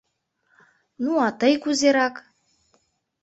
Ну, а тый кузерак?